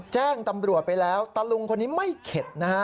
แจ้งตำรวจไปแล้วตะลุงคนนี้ไม่เข็ดนะฮะ